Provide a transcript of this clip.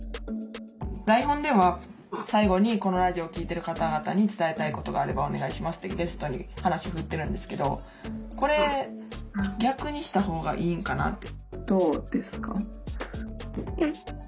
台本では最後にこのラジオを聴いてる方々に伝えたいことがあればお願いしますってゲストに話振ってるんですけどこれ逆にした方がいいんかなって。